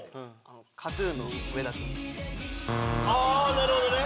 なるほどね。